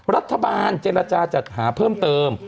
รัฐบาลเจรจาจัดหาเพิ่มเติม